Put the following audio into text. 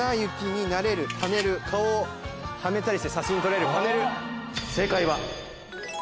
顔をはめたりして写真撮れるパネル。